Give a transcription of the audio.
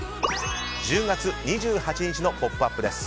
１０月２８日の「ポップＵＰ！」です。